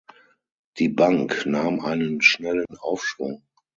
Die Bank nahm einen schnellen Aufschwung.